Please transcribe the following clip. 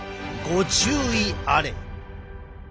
ご注意あれ。